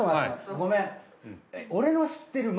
ごめん。